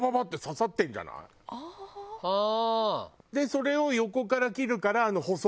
それを横から切るから細く。